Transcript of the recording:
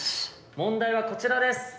問題はこちらです。